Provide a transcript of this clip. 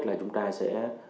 đối nhất là chúng ta sẽ